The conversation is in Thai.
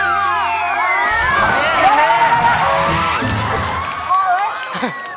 ขอโทษเลย